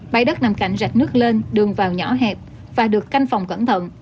máy đất nằm cạnh rạch nước lên đường vào nhỏ hẹp và được canh phòng cẩn thận